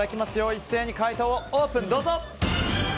一斉に解答をオープン！